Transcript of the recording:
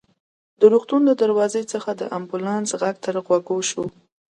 د روغتون له دروازې څخه د امبولانس غږ تر غوږو شو.